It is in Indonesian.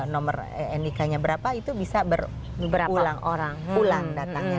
nomor nik nya berapa itu bisa berulang ulang datangnya